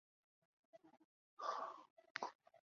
奥拉阿。